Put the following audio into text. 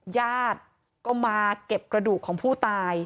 ญาติก็มาเก็บกระดูกของผู้ตาย